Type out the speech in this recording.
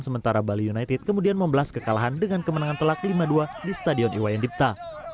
sementara bali united kemudian membelas kekalahan dengan kemenangan telak lima dua di stadion iwayan dipta